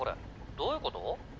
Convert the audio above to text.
どういうこと？